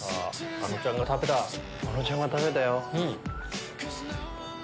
あのちゃんが食べたよ。